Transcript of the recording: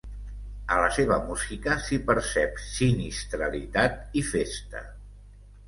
A la seva música s'hi percep sinistralitat i festa.